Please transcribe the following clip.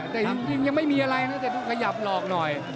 แต่ยังไม่มีอะไรแต่ดูขยับหลอกหน่อย